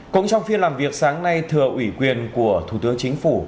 cũng trong phiên làm việc sáng nay thừa ủy quyền của thủ tướng chính phủ